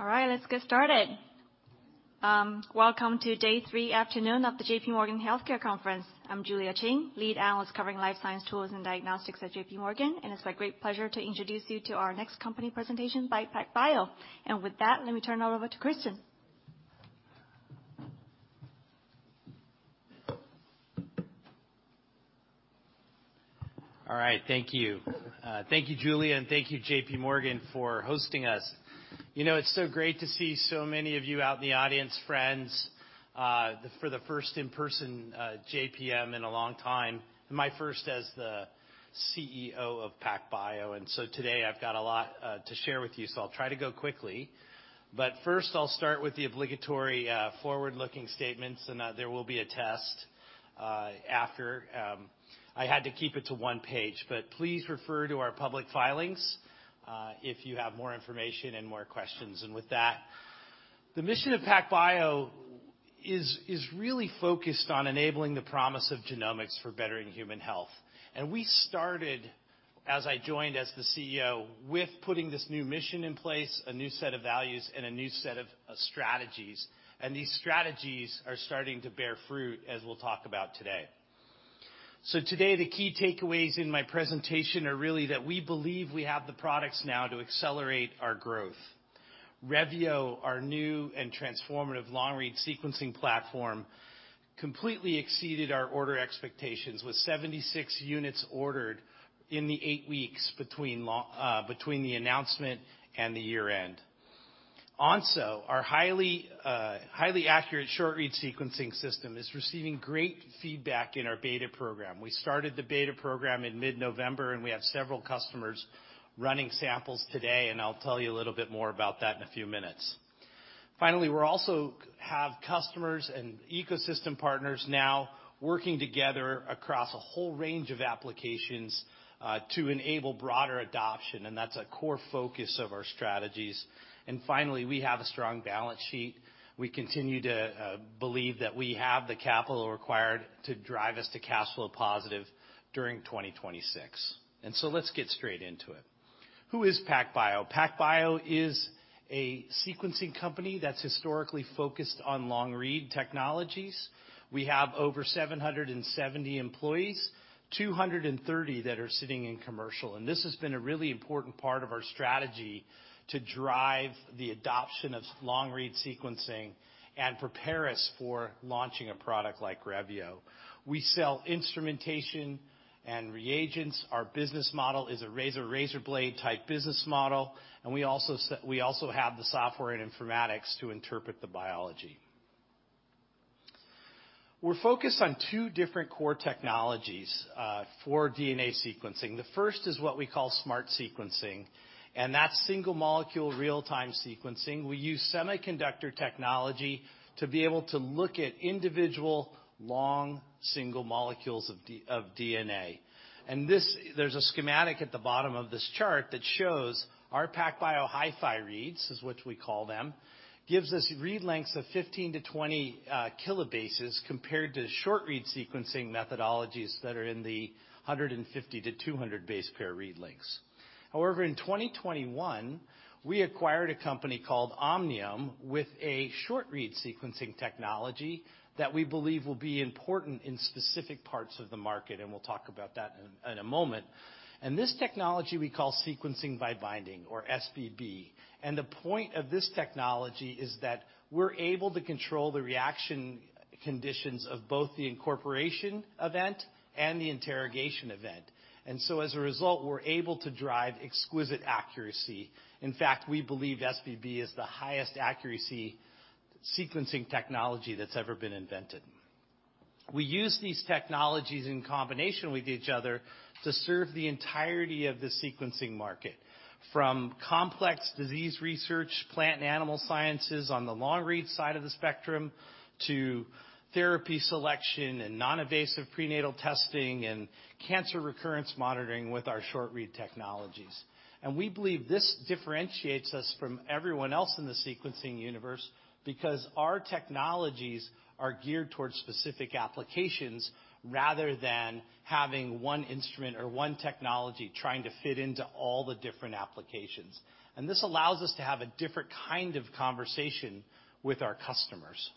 All right, let's get started. Welcome to day three afternoon of the J.P. Morgan Healthcare Conference. I'm Julia Qin, Lead Analyst covering life science, tools, and diagnostics at JPMorgan, and it's my great pleasure to introduce you to our next company presentation by PacBio. With that, let me turn it over to Christian. All right. Thank you. Thank you, Julia, and thank you JPMorgan, for hosting us. You know, it's so great to see so many of you out in the audience, friends, for the first in-person, JPM in a long time, and my first as the CEO of PacBio. Today I've got a lot to share with you, so I'll try to go quickly. First I'll start with the obligatory forward-looking statements, and there will be a test after, I had to keep it to one page, but please refer to our public filings if you have more information and more questions. With that, the mission of PacBio is really focused on enabling the promise of genomics for bettering human health. We started, as I joined as the CEO, with putting this new mission in place, a new set of values, and a new set of strategies. These strategies are starting to bear fruit, as we'll talk about today. Today, the key takeaways in my presentation are really that we believe we have the products now to accelerate our growth. Revio, our new and transformative long-read sequencing platform, completely exceeded our order expectations, with 76 units ordered in the eight weeks between the announcement and the year-end. Onso, our highly accurate short-read sequencing system, is receiving great feedback in our beta program. We started the beta program in mid-November, and we have several customers running samples today, and I'll tell you a little bit more about that in a few minutes. We also have customers and ecosystem partners now working together across a whole range of applications to enable broader adoption, and that's a core focus of our strategies. Finally, we have a strong balance sheet. We continue to believe that we have the capital required to drive us to cash flow positive during 2026. Let's get straight into it. Who is PacBio? PacBio is a sequencing company that's historically focused on long-read technologies. We have over 770 employees, 230 that are sitting in commercial, and this has been a really important part of our strategy to drive the adoption of long-read sequencing and prepare us for launching a product like Revio. We sell instrumentation and reagents. Our business model is a razor blade type business model. We also have the software and informatics to interpret the biology. We're focused on two different core technologies for DNA sequencing. The first is what we call SMRT sequencing, and that's Single Molecule, Real-Time sequencing. We use semiconductor technology to be able to look at individual long single molecules of DNA. This, there's a schematic at the bottom of this chart that shows our PacBio HiFi reads, is what we call them, gives us read lengths of 15-20 kilobases compared to short-read sequencing methodologies that are in the 150-200 base pair read lengths. However, in 2021, we acquired a company called Omniome with a short-read sequencing technology that we believe will be important in specific parts of the market, and we'll talk about that in a moment. This technology we call sequencing by binding or SBB. The point of this technology is that we're able to control the reaction conditions of both the incorporation event and the interrogation event. As a result, we're able to drive exquisite accuracy. In fact, we believe SBB is the highest accuracy sequencing technology that's ever been invented. We use these technologies in combination with each other to serve the entirety of the sequencing market, from complex disease research, plant and animal sciences on the long-read side of the spectrum to therapy selection and non-invasive prenatal testing and cancer recurrence monitoring with our short-read technologies. We believe this differentiates us from everyone else in the sequencing universe because our technologies are geared towards specific applications rather than having one instrument or one technology trying to fit into all the different applications. This allows us to have a different kind of conversation with our customers.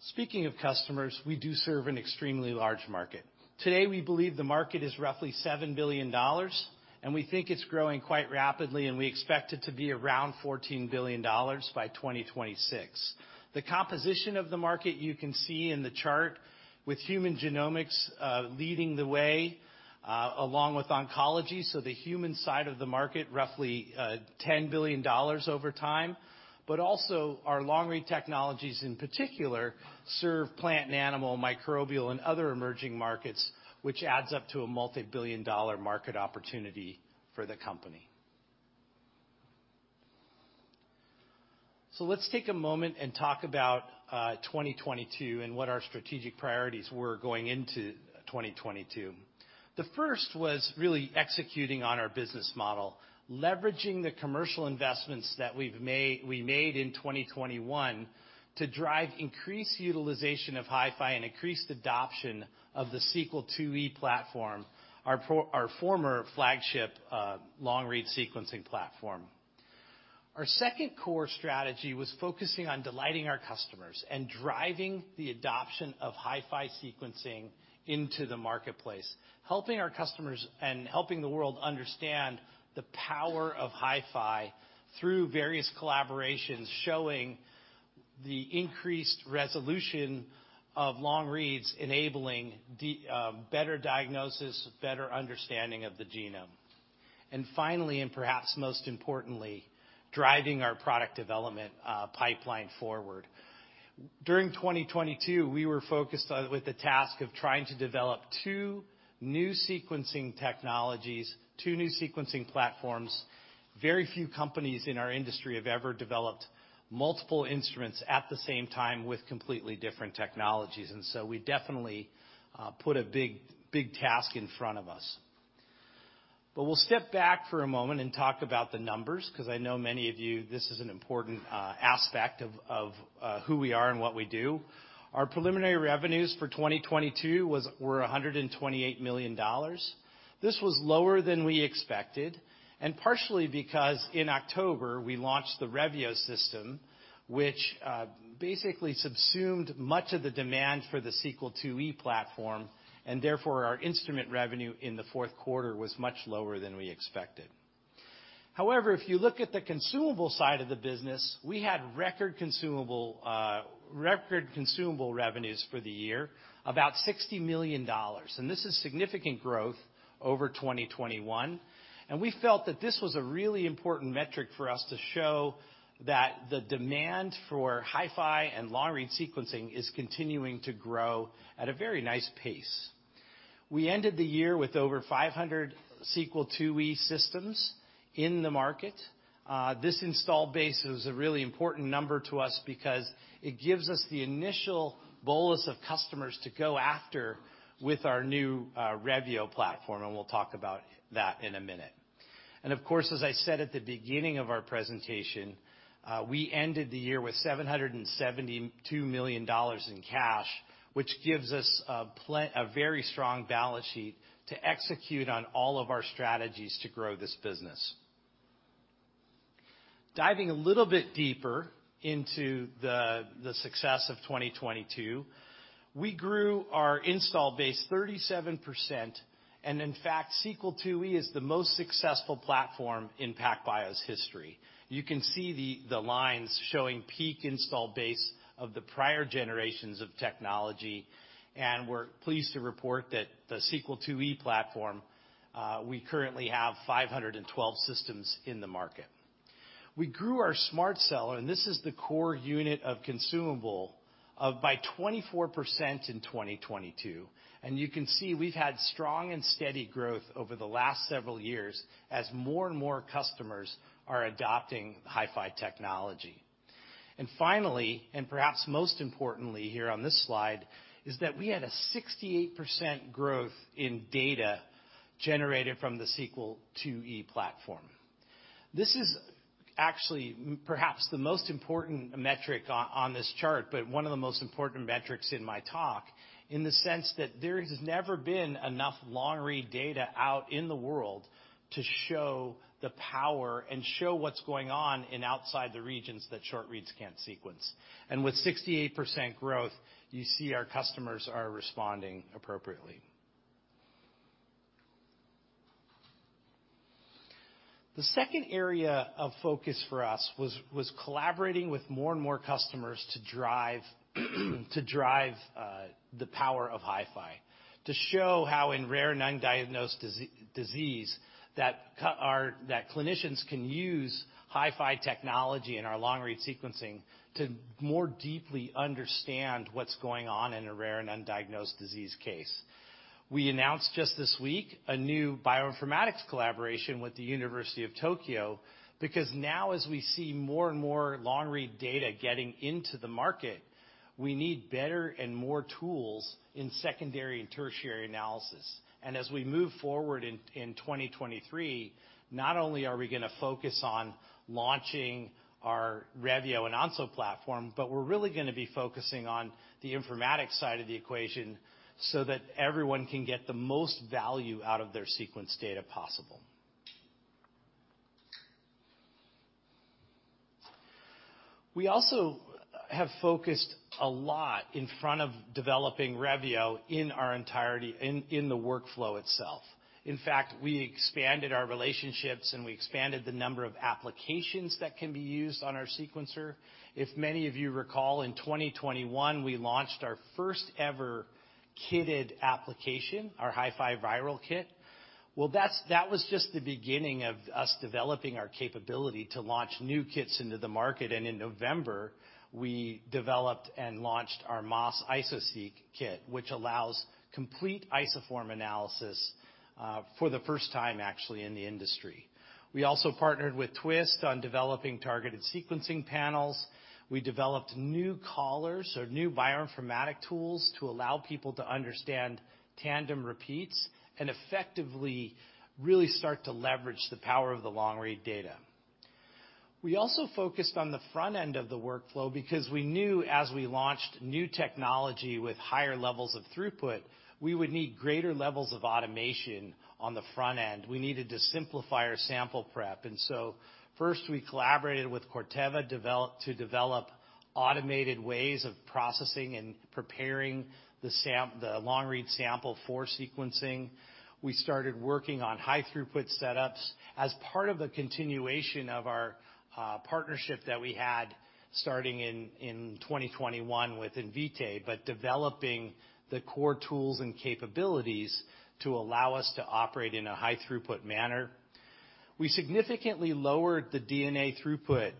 Speaking of customers, we do serve an extremely large market. Today, we believe the market is roughly $7 billion, and we think it's growing quite rapidly, and we expect it to be around $14 billion by 2026. The composition of the market you can see in the chart with human genomics leading the way along with oncology, so the human side of the market, roughly, $10 billion over time. Also our long-read technologies in particular serve plant and animal, microbial, and other emerging markets, which adds up to a multi-billion dollar market opportunity for the company. Let's take a moment and talk about 2022 and what our strategic priorities were going into 2022. The first was really executing on our business model, leveraging the commercial investments that we made in 2021 to drive increased utilization of HiFi and increased adoption of the Sequel IIe platform, our former flagship long-read sequencing platform. Our second core strategy was focusing on delighting our customers and driving the adoption of HiFi sequencing into the marketplace, helping our customers and helping the world understand the power of HiFi through various collaborations showing the increased resolution of long reads, enabling better diagnosis, better understanding of the genome. Finally, and perhaps most importantly, driving our product development pipeline forward. During 2022, we were focused with the task of trying to develop two new sequencing technologies, two new sequencing platforms. Very few companies in our industry have ever developed multiple instruments at the same time with completely different technologies. We definitely put a big task in front of us. We'll step back for a moment and talk about the numbers, 'cause I know many of you, this is an important aspect of who we are and what we do. Our preliminary revenues for 2022 were $128 million. This was lower than we expected, and partially because in October we launched the Revio system, which basically subsumed much of the demand for the Sequel IIe platform, and therefore our instrument revenue in the fourth quarter was much lower than we expected. However, if you look at the consumable side of the business, we had record consumable revenues for the year, about $60 million. This is significant growth over 2021. We felt that this was a really important metric for us to show that the demand for HiFi and long-read sequencing is continuing to grow at a very nice pace. We ended the year with over 500 Sequel IIe systems in the market. This install base is a really important number to us because it gives us the initial bolus of customers to go after with our new Revio platform, we'll talk about that in a minute. Of course, as I said at the beginning of our presentation, we ended the year with $772 million in cash, which gives us a very strong balance sheet to execute on all of our strategies to grow this business. Diving a little bit deeper into the success of 2022, we grew our install base 37%. In fact, Sequel IIe is the most successful platform in PacBio's history. You can see the lines showing peak install base of the prior generations of technology. We're pleased to report that the Sequel IIe platform, we currently have 512 systems in the market. We grew our SMRT Cell, this is the core unit of consumable, by 24% in 2022. You can see we've had strong and steady growth over the last several years as more and more customers are adopting HiFi technology. Finally, perhaps most importantly here on this slide, is that we had a 68% growth in data generated from the Sequel IIe platform. This is actually perhaps the most important metric on this chart, one of the most important metrics in my talk, in the sense that there has never been enough long-read data out in the world to show the power and show what's going on in outside the regions that short reads can't sequence. With 68% growth, you see our customers are responding appropriately. The second area of focus for us was collaborating with more and more customers to drive the power of HiFi, to show how in rare undiagnosed disease or that clinicians can use HiFi technology and our long-read sequencing to more deeply understand what's going on in a rare and undiagnosed disease case. We announced just this week a new bioinformatics collaboration with the University of Tokyo, now as we see more and more long-read data getting into the market, we need better and more tools in secondary and tertiary analysis. As we move forward in 2023, not only are we gonna focus on launching our Revio and Onso platform, we're really gonna be focusing on the informatics side of the equation so that everyone can get the most value out of their sequence data possible. We also have focused a lot in front of developing Revio in our entirety in the workflow itself. In fact, we expanded our relationships, and we expanded the number of applications that can be used on our sequencer. If many of you recall, in 2021, we launched our first ever kitted application, our HiFi viral kit. Well, that was just the beginning of us developing our capability to launch new kits into the market. In November, we developed and launched our MAS-Seq kit, which allows complete isoform analysis for the first time actually in the industry. We also partnered with Twist on developing targeted sequencing panels. We developed new callers or new bioinformatic tools to allow people to understand tandem repeats and effectively really start to leverage the power of the long-read data. We also focused on the front end of the workflow because we knew as we launched new technology with higher levels of throughput, we would need greater levels of automation on the front end. We needed to simplify our sample prep. First, we collaborated with Corteva to develop automated ways of processing and preparing the long-read sample for sequencing. We started working on high throughput setups as part of a continuation of our partnership that we had starting in 2021 with Invitae, developing the core tools and capabilities to allow us to operate in a high throughput manner. We significantly lowered the DNA throughput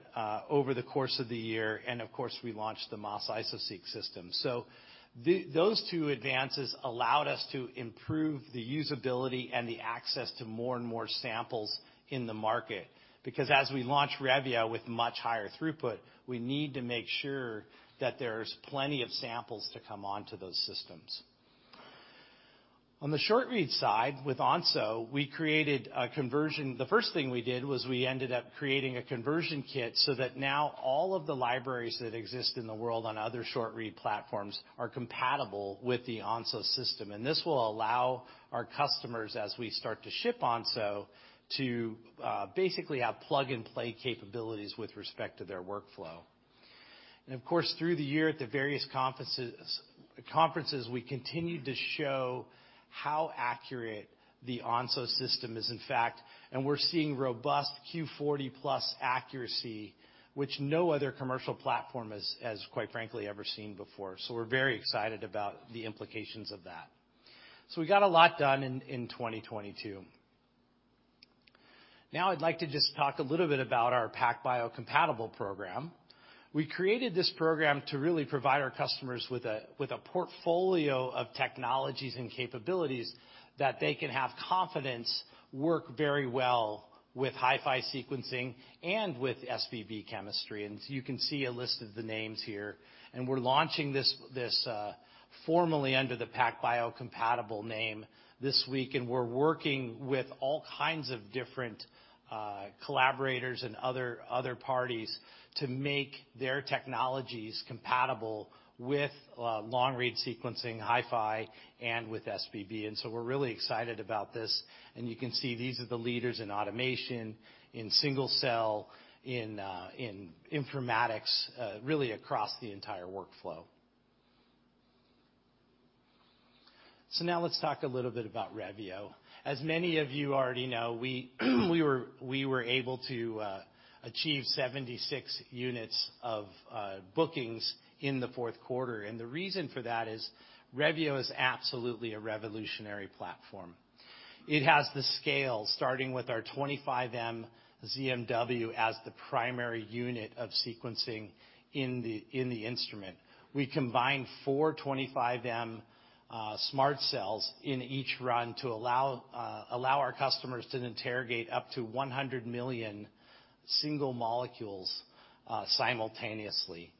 over the course of the year, of course, we launched the MAS-Seq system. Those two advances allowed us to improve the usability and the access to more and more samples in the market, because as we launch Revio with much higher throughput, we need to make sure that there's plenty of samples to come onto those systems. On the short-read side, with Onso, we created a conversion. The first thing we did was we ended up creating a conversion kit so that now all of the libraries that exist in the world on other short-read platforms are compatible with the Onso system. This will allow our customers, as we start to ship Onso, to basically have plug-and-play capabilities with respect to their workflow. Of course, through the year at the various conferences, we continued to show how accurate the Onso system is in fact, and we're seeing robust Q40 plus accuracy, which no other commercial platform has quite frankly ever seen before. We're very excited about the implications of that. We got a lot done in 2022. Now I'd like to just talk a little bit about our PacBio Compatible program. We created this program to really provide our customers with a portfolio of technologies and capabilities that they can have confidence work very well with HiFi sequencing and with SBB chemistry. You can see a list of the names here, and we're launching this formally under the PacBio Compatible name this week, and we're working with all kinds of different collaborators and other parties to make their technologies compatible with long-read sequencing, HiFi, and with SBB. We're really excited about this, and you can see these are the leaders in automation, in single cell, in informatics, really across the entire workflow. Now let's talk a little bit about Revio. As many of you already know, we were able to achieve 76 units of bookings in the fourth quarter. The reason for that is Revio is absolutely a revolutionary platform. It has the scale, starting with our 25 M ZMW as the primary unit of sequencing in the instrument. We combine 4 x 25 M SMRT Cells in each run to allow our customers to interrogate up to 100 million single molecules simultaneously.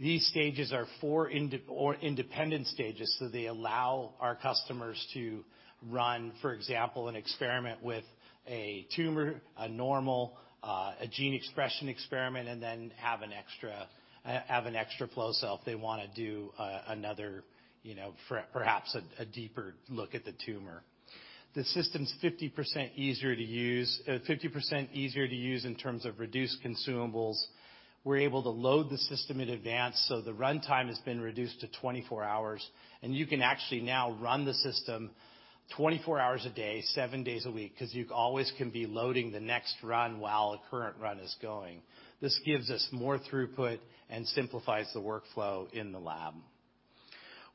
These stages are four independent stages, so they allow our customers to run, for example, an experiment with a tumor, a normal, a gene expression experiment, and then have an extra, have an extra flow cell if they wanna do another, you know, perhaps a deeper look at the tumor. The system's 50% easier to use in terms of reduced consumables. We're able to load the system in advance, so the run time has been reduced to 24 hours, and you can actually now run the system 24 hours a day, seven days a week, 'cause you always can be loading the next run while a current run is going. This gives us more throughput and simplifies the workflow in the lab.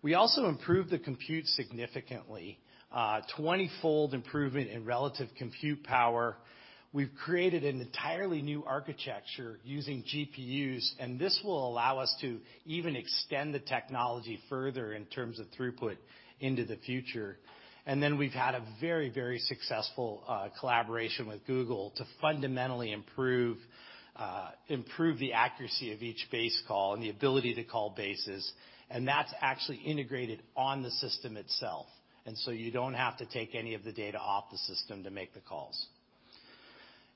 We also improved the compute significantly, 20-fold improvement in relative compute power. We've created an entirely new architecture using GPUs, and this will allow us to even extend the technology further in terms of throughput into the future. We've had a very, very successful collaboration with Google to fundamentally improve the accuracy of each base call and the ability to call bases, and that's actually integrated on the system itself. You don't have to take any of the data off the system to make the calls.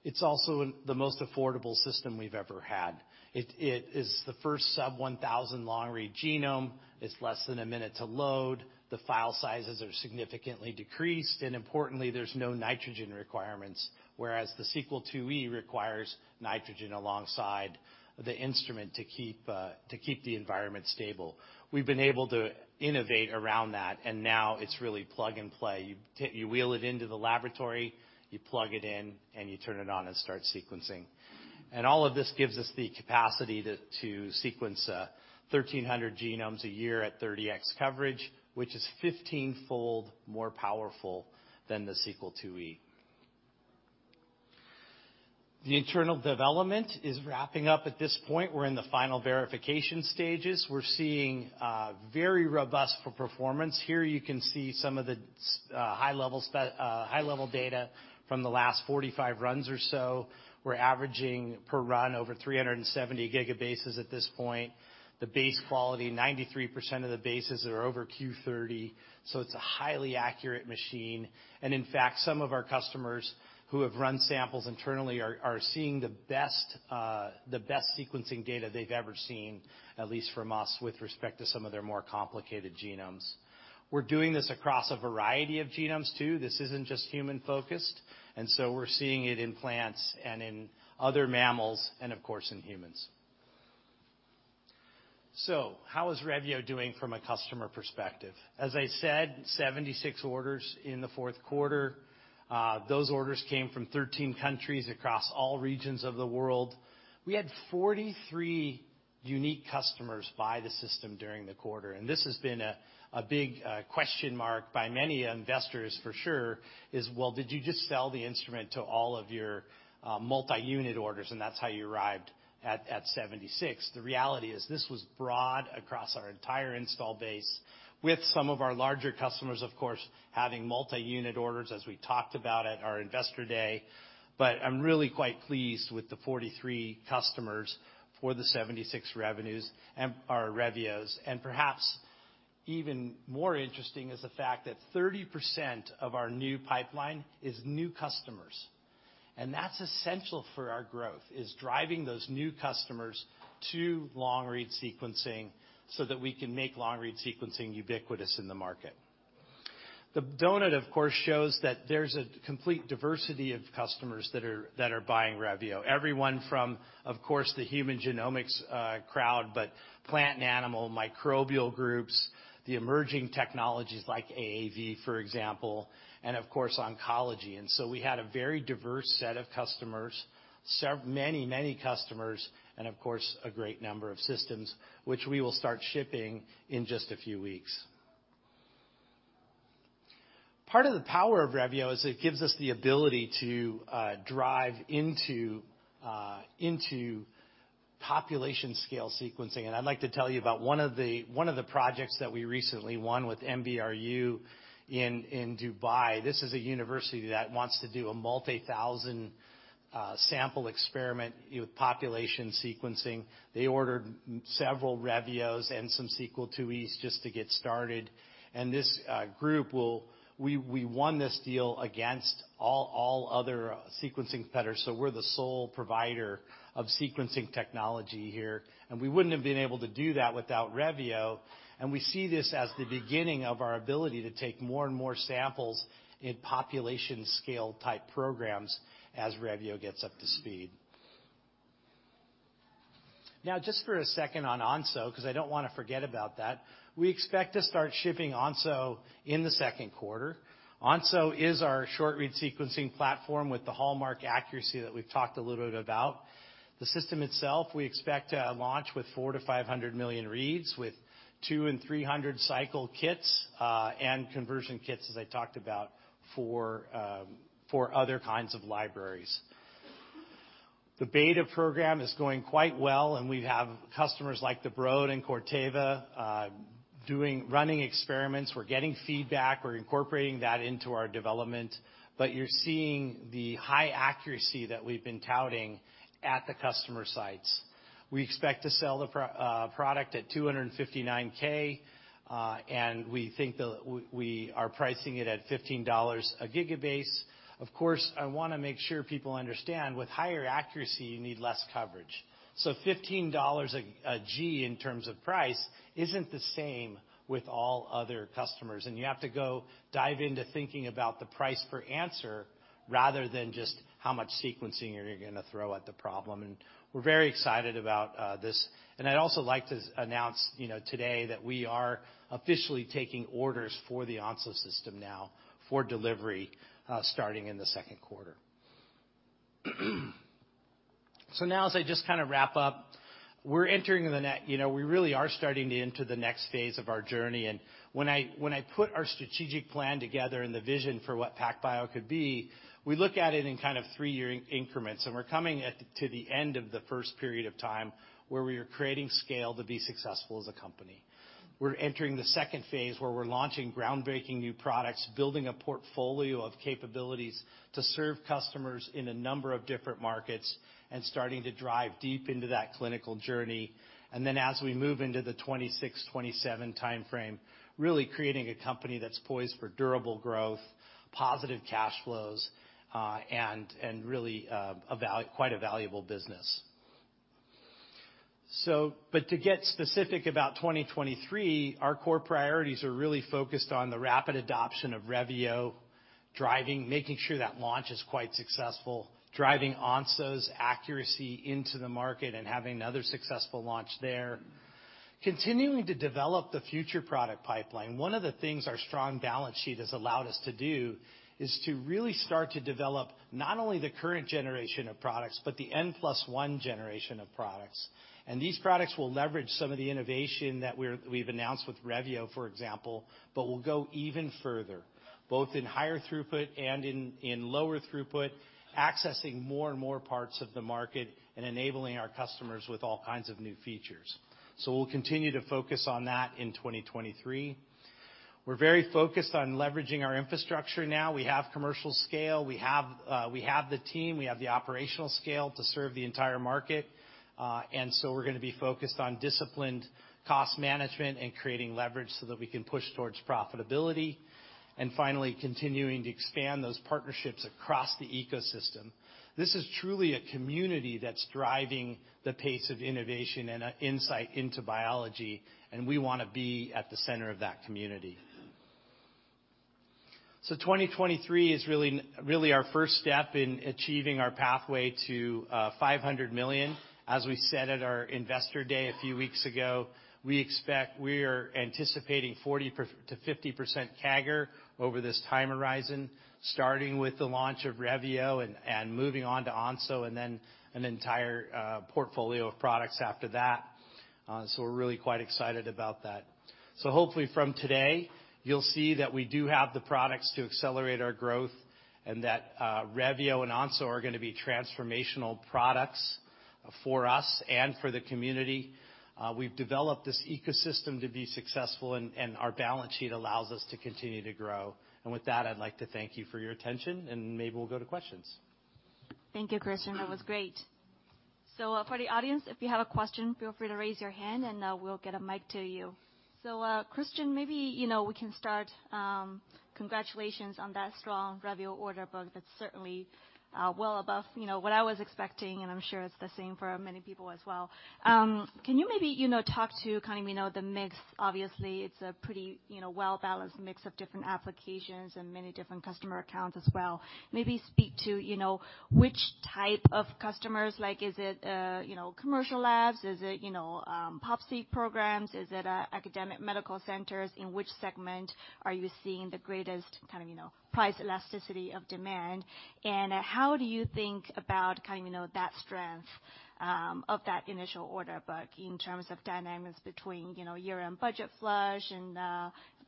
It's also the most affordable system we've ever had. It is the first sub-$1,000 long-read genome. It's less than a minute to load. The file sizes are significantly decreased. Importantly, there's no nitrogen requirements, whereas the Sequel IIe requires nitrogen alongside the instrument to keep the environment stable. We've been able to innovate around that, and now it's really plug and play. You wheel it into the laboratory, you plug it in, and you turn it on and start sequencing. All of this gives us the capacity to sequence 1,300 genomes a year at 30x coverage, which is 15-fold more powerful than the Sequel IIe. The internal development is wrapping up at this point. We're in the final verification stages. We're seeing very robust for performance. Here you can see some of the high level data from the last 45 runs or so. We're averaging per run over 370 gigabases at this point. The base quality, 93% of the bases are over Q30, so it's a highly accurate machine. In fact, some of our customers who have run samples internally are seeing the best sequencing data they've ever seen, at least from us, with respect to some of their more complicated genomes. We're doing this across a variety of genomes too. This isn't just human focused, and so we're seeing it in plants and in other mammals and of course, in humans. How is Revio doing from a customer perspective? As I said, 76 orders in the 4th quarter. Those orders came from 13 countries across all regions of the world. We had 43 unique customers buy the system during the quarter, and this has been a big question mark by many investors for sure, is, well, did you just sell the instrument to all of your multi-unit orders and that's how you arrived at 76? The reality is this was broad across our entire install base with some of our larger customers, of course, having multi-unit orders as we talked about at our investor day, but I'm really quite pleased with the 43 customers for the 76 Revios. Perhaps even more interesting is the fact that 30% of our new pipeline is new customers, and that's essential for our growth, is driving those new customers to long-read sequencing so that we can make long-read sequencing ubiquitous in the market. The donut, of course, shows that there's a complete diversity of customers that are buying Revio. Everyone from, of course, the human genomics crowd, but plant and animal microbial groups, the emerging technologies like AAV, for example, and of course, oncology. We had a very diverse set of customers, many, many customers and of course, a great number of systems which we will start shipping in just a few weeks. Part of the power of Revio is it gives us the ability to drive into population scale sequencing. I'd like to tell you about one of the projects that we recently won with MBRU in Dubai. This is a university that wants to do a multi-thousand sample experiment with population sequencing. They ordered several Revios and some Sequel IIe just to get started. We won this deal against all other sequencing competitors, so we're the sole provider of sequencing technology here, and we wouldn't have been able to do that without Revio, and we see this as the beginning of our ability to take more and more samples in population scale type programs as Revio gets up to speed. Just for a second on Onso, because I don't want to forget about that. We expect to start shipping Onso in the second quarter. Onso is our short-read sequencing platform with the hallmark accuracy that we've talked a little bit about. The system itself, we expect to launch with 400 million-500 million reads with 200 and 300 cycle kits and conversion kits, as I talked about, for other kinds of libraries. The beta program is going quite well. We have customers like the Broad and Corteva running experiments. We're getting feedback, we're incorporating that into our development. You're seeing the high accuracy that we've been touting at the customer sites. We expect to sell the product at $259K. We are pricing it at $15 a gigabase. Of course, I wanna make sure people understand with higher accuracy, you need less coverage. Fifteen dollars a g in terms of price isn't the same with all other customers, and you have to go dive into thinking about the price per answer, rather than just how much sequencing are you gonna throw at the problem, and we're very excited about this. I'd also like to announce, you know, today that we are officially taking orders for the Onso system now for delivery, starting in the second quarter. Now as I just kind of wrap up, we're entering, you know, we really are starting into the next phase of our journey. When I put our strategic plan together and the vision for what PacBio could be, we look at it in kind of three-year increments, we're coming to the end of the first period of time where we are creating scale to be successful as a company. We're entering the second phase where we're launching groundbreaking new products, building a portfolio of capabilities to serve customers in a number of different markets, and starting to drive deep into that clinical journey. As we move into the 2026, 2027 timeframe, really creating a company that's poised for durable growth, positive cash flows, and really quite a valuable business. To get specific about 2023, our core priorities are really focused on the rapid adoption of Revio, driving, making sure that launch is quite successful, driving Onso's accuracy into the market and having another successful launch there. Continuing to develop the future product pipeline, one of the things our strong balance sheet has allowed us to do is to really start to develop not only the current generation of products, but the N+1 generation of products. These products will leverage some of the innovation that we've announced with Revio, for example, but will go even further, both in higher throughput and in lower throughput, accessing more and more parts of the market and enabling our customers with all kinds of new features. We'll continue to focus on that in 2023. We're very focused on leveraging our infrastructure now. We have commercial scale, we have the team, we have the operational scale to serve the entire market. We're gonna be focused on disciplined cost management and creating leverage so that we can push towards profitability. Finally continuing to expand those partnerships across the ecosystem. This is truly a community that's driving the pace of innovation and insight into biology, and we wanna be at the center of that community. 2023 is really our first step in achieving our pathway to $500 million. As we said at our investor day a few weeks ago, we are anticipating 40%-50% CAGR over this time horizon, starting with the launch of Revio and moving on to Onso, and then an entire portfolio of products after that. We're really quite excited about that. Hopefully from today, you'll see that we do have the products to accelerate our growth, and that Revio and Onso are gonna be transformational products for us and for the community. We've developed this ecosystem to be successful and our balance sheet allows us to continue to grow. With that, I'd like to thank you for your attention, and maybe we'll go to questions. Thank you, Christian. That was great. For the audience, if you have a question, feel free to raise your hand and we'll get a mic to you. Christian, maybe, you know, we can start. Congratulations on that strong Revio order book. That's certainly well above, you know, what I was expecting, and I'm sure it's the same for many people as well. Can you maybe, you know, talk to kind of, you know, the mix. Obviously, it's a pretty, you know, well-balanced mix of different applications and many different customer accounts as well. Maybe speak to, you know, which type of customers, like is it, you know, commercial labs? Is it, you know, PopSeq programs? Is it, academic medical centers? In which segment are you seeing the greatest kind of, you know, price elasticity of demand? How do you think about kind of, you know, that strength of that initial order book in terms of dynamics between, you know, year-end budget flush and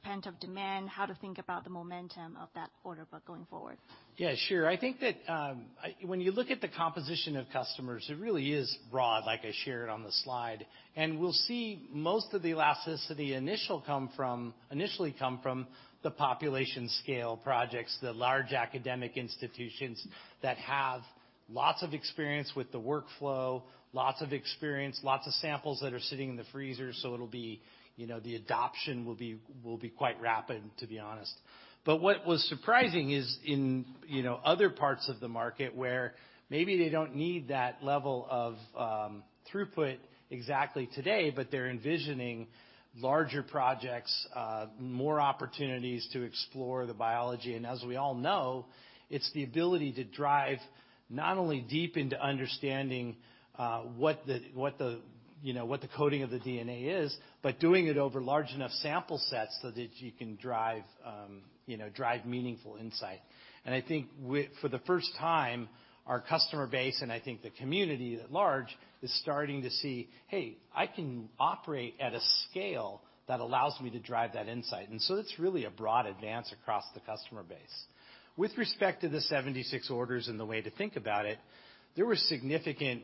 pent-up demand, how to think about the momentum of that order book going forward? Yeah, sure. I think that, when you look at the composition of customers, it really is broad, like I shared on the slide. We'll see most of the elasticity initially come from the population scale projects, the large academic institutions that have lots of experience with the workflow, lots of experience, lots of samples that are sitting in the freezer, so it'll be, you know, the adoption will be quite rapid, to be honest. What was surprising is in, you know, other parts of the market where maybe they don't need that level of throughput exactly today, but they're envisioning larger projects, more opportunities to explore the biology. As we all know, it's the ability to drive not only deep into understanding, what the, you know, what the coding of the DNA is, but doing it over large enough sample sets so that you can drive, you know, drive meaningful insight. I think with, for the first time, our customer base, and I think the community at large, is starting to see, hey, I can operate at a scale that allows me to drive that insight. It's really a broad advance across the customer base. With respect to the 76 orders and the way to think about it, there were significant,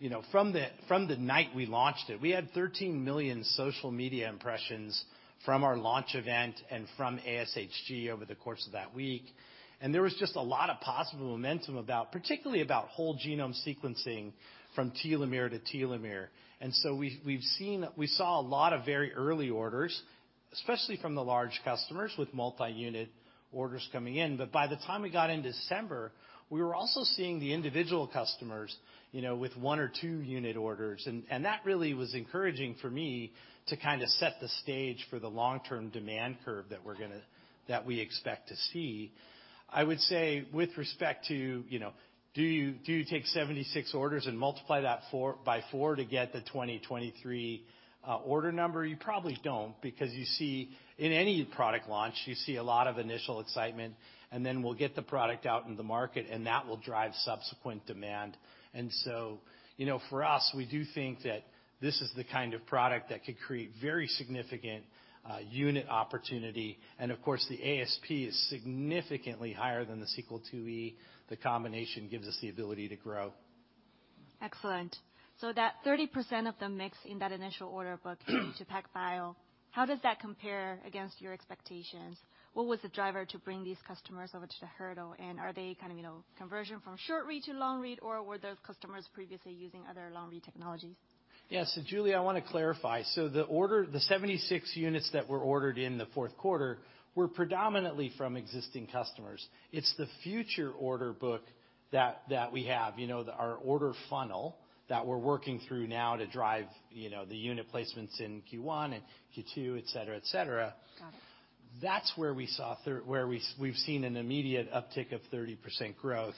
you know, from the night we launched it, we had 13 million social media impressions from our launch event and from ASHG over the course of that week. There was just a lot of possible momentum about, particularly about whole genome sequencing from telomere to telomere. We saw a lot of very early orders, especially from the large customers with multi-unit orders coming in. By the time we got in December, we were also seeing the individual customers, you know, with one or two unit orders, and that really was encouraging for me to kind of set the stage for the long-term demand curve that we expect to see. I would say with respect to, you know, do you take 76 orders and multiply that by 4 to get the 2023 order number? You probably don't because you see... in any product launch, you see a lot of initial excitement, and then we'll get the product out in the market, and that will drive subsequent demand. You know, for us, we do think that this is the kind of product that could create very significant unit opportunity. Of course, the ASP is significantly higher than the Sequel IIe. The combination gives us the ability to grow. Excellent. That 30% of the mix in that initial order book to PacBio, how does that compare against your expectations? What was the driver to bring these customers over to the hurdle, and are they kind of, you know, conversion from short read to long read, or were those customers previously using other long read technologies? Yeah. Julie, I want to clarify. The order, the 76 units that were ordered in the fourth quarter were predominantly from existing customers. It's the future order book that we have, you know, our order funnel that we're working through now to drive, you know, the unit placements in Q1 and Q2, et cetera. Got it. That's where we saw we've seen an immediate uptick of 30% growth.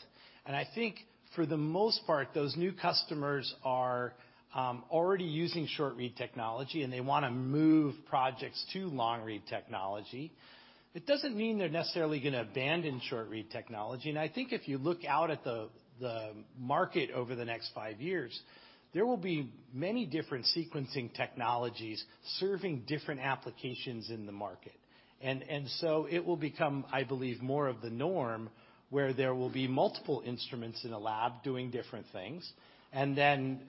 I think for the most part, those new customers are already using short-read technology, and they wanna move projects to long-read technology. It doesn't mean they're necessarily gonna abandon short-read technology. I think if you look out at the market over the next five years, there will be many different sequencing technologies serving different applications in the market. It will become, I believe, more of the norm where there will be multiple instruments in a lab doing different things, and then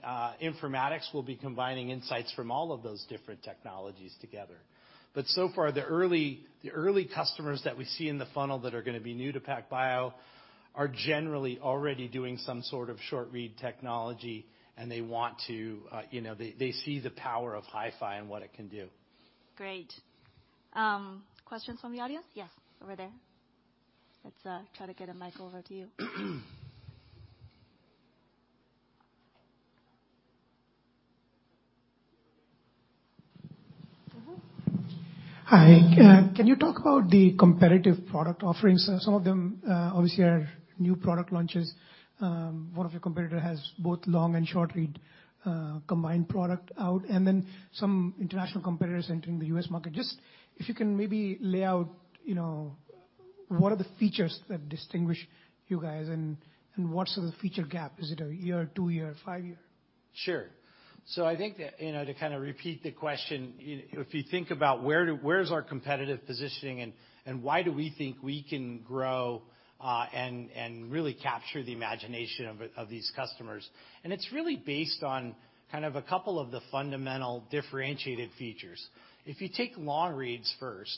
informatics will be combining insights from all of those different technologies together. So far, the early customers that we see in the funnel that are gonna be new to PacBio are generally already doing some sort of short read technology and they want to, you know, they see the power of HiFi and what it can do. Great. Questions from the audience? Yes, over there. Let's try to get a mic over to you. Hi. Can you talk about the competitive product offerings? Some of them, obviously are new product launches. One of your competitor has both long and short-read, combined product out, and then some international competitors entering the U.S. market. Just if you can maybe lay out, you know, what are the features that distinguish you guys, and what's the feature gap? Is it a year, two year, five year? Sure. I think that, you know, to kind of repeat the question, you know, if you think about where's our competitive positioning and why do we think we can grow, and really capture the imagination of these customers, and it's really based on kind of a couple of the fundamental differentiated features. If you take long reads first,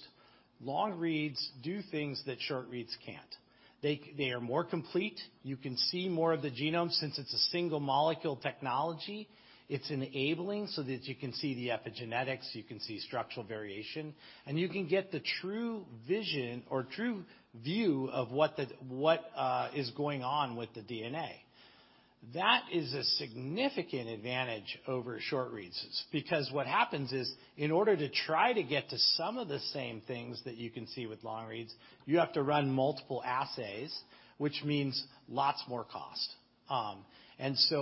long reads do things that short reads can't. They are more complete, you can see more of the genome since it's a single molecule technology, it's enabling so that you can see the epigenetics, you can see structural variation, and you can get the true vision or true view of what is going on with the DNA. That is a significant advantage over short reads. What happens is, in order to try to get to some of the same things that you can see with long reads, you have to run multiple assays, which means lots more cost.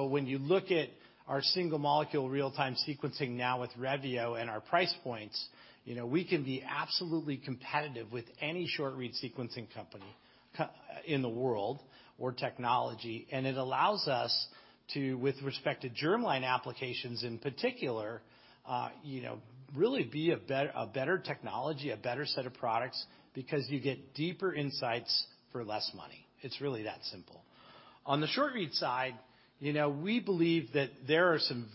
When you look at our Single Molecule, Real-Time sequencing now with Revio and our price points, you know, we can be absolutely competitive with any short-read sequencing company in the world or technology, and it allows us to, with respect to germline applications in particular, you know, really be a better technology, a better set of products because you get deeper insights for less money. It's really that simple. On the short-read side, you know, we believe that there are some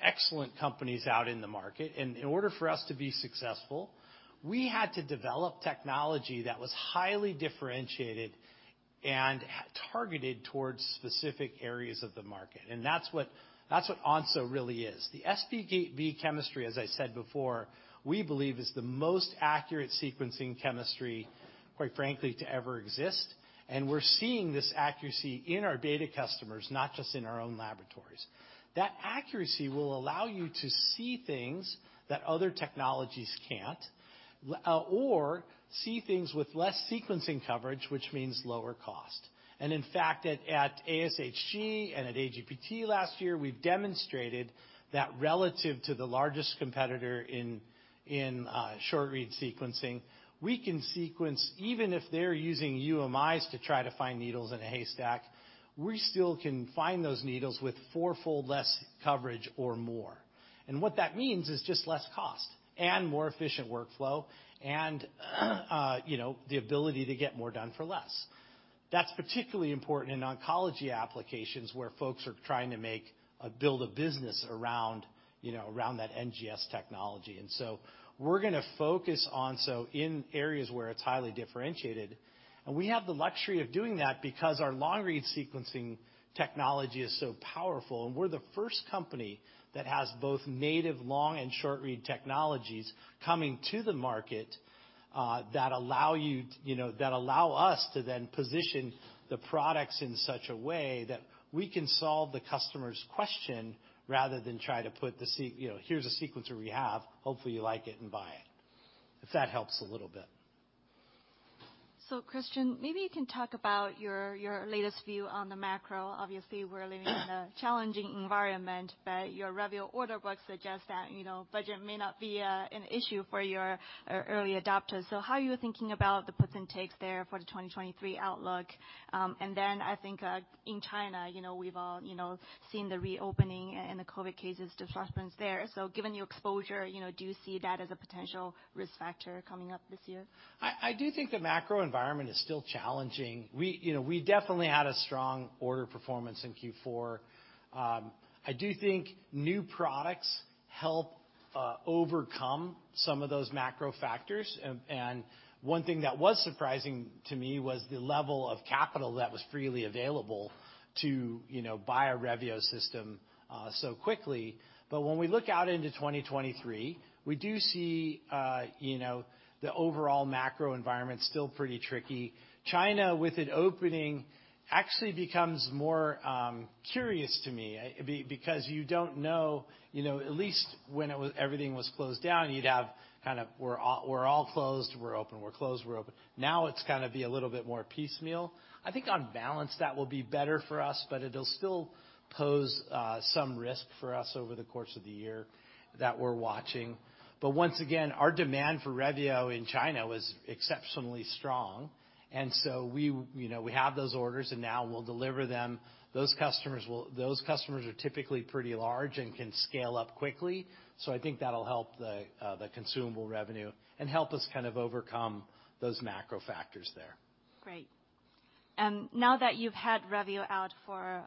excellent companies out in the market, and in order for us to be successful, we had to develop technology that was highly differentiated and targeted towards specific areas of the market. That's what Onso really is. The SBB chemistry, as I said before, we believe is the most accurate sequencing chemistry, quite frankly, to ever exist, and we're seeing this accuracy in our data customers, not just in our own laboratories. That accuracy will allow you to see things that other technologies can't, or see things with less sequencing coverage, which means lower cost. In fact, at ASHG and at AGBT last year, we've demonstrated that relative to the largest competitor in short-read sequencing, we can sequence even if they're using UMIs to try to find needles in a haystack, we still can find those needles with fourfold less coverage or more. What that means is just less cost and more efficient workflow and you know, the ability to get more done for less. That's particularly important in oncology applications, where folks are trying to build a business around, you know, around that NGS technology. So we're gonna focus Onso in areas where it's highly differentiated. We have the luxury of doing that because our long-read sequencing technology is so powerful, and we're the first company that has both native long and short-read technologies coming to the market, that allow us to then position the products in such a way that we can solve the customer's question rather than try to put the you know, here's a sequencer we have, hopefully you like it and buy it. If that helps a little bit. Christian, maybe you can talk about your latest view on the macro. Obviously, we're living in a challenging environment, but your Revio order book suggests that, you know, budget may not be an issue for your early adopters. How are you thinking about the puts and takes there for the 2023 outlook? I think, in China, you know, we've all, you know, seen the reopening and the COVID cases just resurgence there. Given your exposure, you know, do you see that as a potential risk factor coming up this year? I do think the macro environment is still challenging. We, you know, definitely had a strong order performance in Q4. I do think new products help overcome some of those macro factors. One thing that was surprising to me was the level of capital that was freely available to, you know, buy a Revio system so quickly. When we look out into 2023, we do see, you know, the overall macro environment still pretty tricky. China, with it opening, actually becomes more curious to me, because you don't know, you know, at least when everything was closed down, you'd have kind of we're all closed, we're open, we're closed, we're open. Now it's gonna be a little bit more piecemeal. I think on balance, that will be better for us, but it'll still pose some risk for us over the course of the year that we're watching. Once again, our demand for Revio in China was exceptionally strong, and so we, you know, we have those orders, and now we'll deliver them. Those customers are typically pretty large and can scale up quickly. I think that'll help the consumable revenue and help us kind of overcome those macro factors there. Great. Now that you've had Revio out for,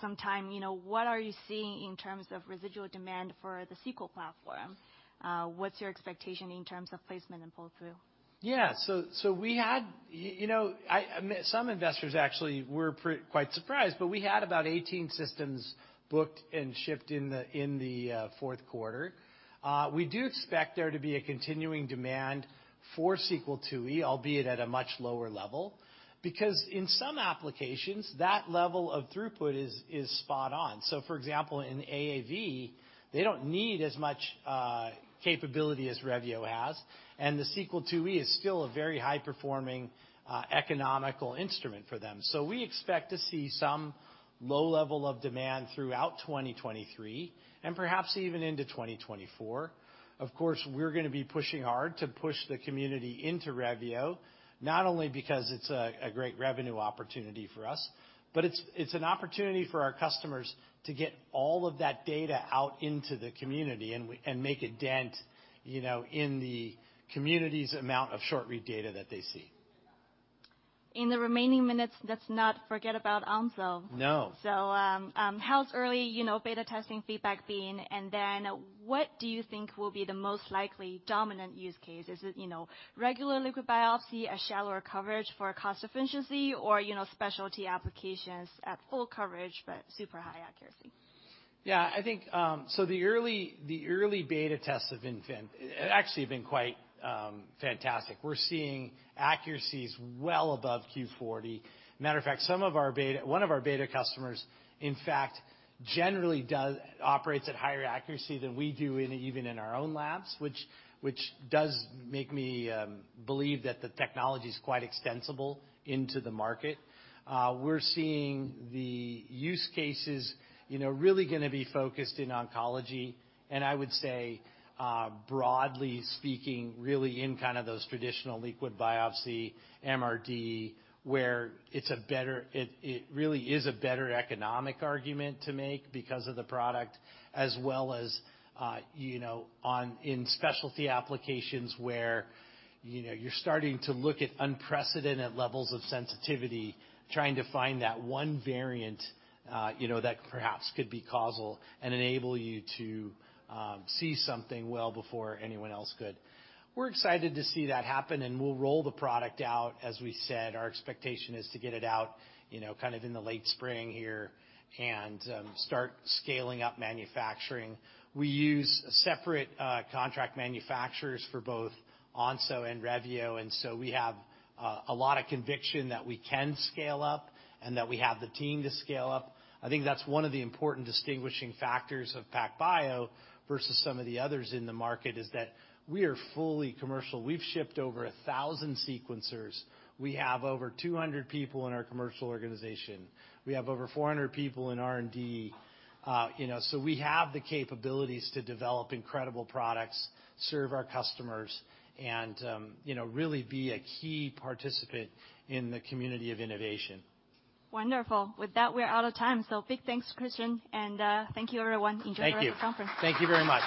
some time, you know, what are you seeing in terms of residual demand for the Sequel platform? What's your expectation in terms of placement and pull-through? Yeah. We had, you know, Some investors actually were quite surprised, but we had about 18 systems booked and shipped in the fourth quarter. We do expect there to be a continuing demand for Sequel IIe, albeit at a much lower level, because in some applications, that level of throughput is spot on. For example, in AAV, they don't need as much capability as Revio has, and the Sequel IIe is still a very high-performing, economical instrument for them. We expect to see some low level of demand throughout 2023, and perhaps even into 2024. Of course, we're gonna be pushing hard to push the community into Revio, not only because it's a great revenue opportunity for us, but it's an opportunity for our customers to get all of that data out into the community and make a dent, you know, in the community's amount of short-read data that they see. In the remaining minutes, let's not forget about Onso. No. How's early, you know, beta testing feedback been? What do you think will be the most likely dominant use case? Is it, you know, regular liquid biopsy, a shallower coverage for cost efficiency or, you know, specialty applications at full coverage, but super high accuracy? Yeah, I think, the early beta tests have actually been quite fantastic. We're seeing accuracies well above Q40. Matter of fact, one of our beta customers, in fact, generally operates at higher accuracy than we do even in our own labs, which does make me believe that the technology is quite extensible into the market. We're seeing the use cases, you know, really gonna be focused in oncology, and I would say, broadly speaking, really in kind of those traditional liquid biopsy MRD, where it's a better... it really is a better economic argument to make because of the product as well as, you know, in specialty applications where, you know, you're starting to look at unprecedented levels of sensitivity, trying to find that one variant, you know, that perhaps could be causal and enable you to see something well before anyone else could. We're excited to see that happen. We'll roll the product out. As we said, our expectation is to get it out, you know, kind of in the late spring here and start scaling up manufacturing. We use separate contract manufacturers for both Onso and Revio. We have a lot of conviction that we can scale up and that we have the team to scale up. I think that's one of the important distinguishing factors of PacBio versus some of the others in the market, is that we are fully commercial. We've shipped over 1,000 sequencers. We have over 200 people in our commercial organization. We have over 400 people in R&D. You know, so we have the capabilities to develop incredible products, serve our customers, and, you know, really be a key participant in the community of innovation. Wonderful. With that, we're out of time. Big thanks to Christian, and thank you, everyone. Thank you. Enjoy the rest of the conference. Thank you very much.